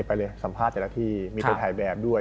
เพราะว่าไม่ทันแล้ว